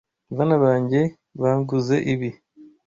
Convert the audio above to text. Bana banjye banguze ibi.